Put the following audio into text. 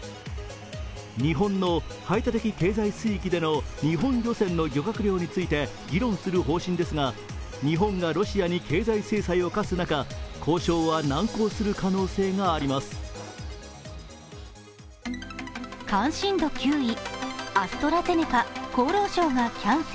日本の排他的経済水域での日本漁船の漁獲量について議論する方針ですが、日本がロシアに経済制裁を科す中、交渉は難航する可能性があります。